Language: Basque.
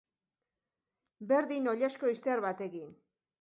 Berdin oilasko izter batekin.